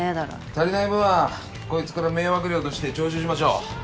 足りない分はこいつから迷惑料として徴収しましょう。